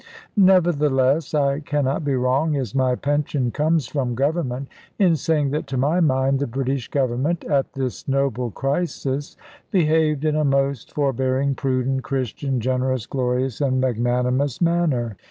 Nevertheless I cannot be wrong as my pension comes from Government in saying that to my mind the British Government, at this noble crisis, behaved in a most forbearing, prudent, Christian, generous, glorious, and magnanimous manner.